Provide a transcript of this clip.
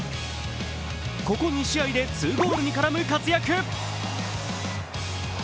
ここ２試合で２ゴールに絡む活躍。